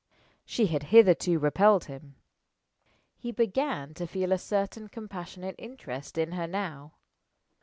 She had hitherto repelled him. He began to feel a certain compassionate interest in her now.